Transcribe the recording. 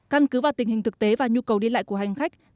căn cứ vào tình hình thực tế và nhu cầu đi lại của hành khách